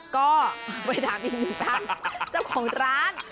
ก็ไปถามอีกทั้งเจ้าของร้าน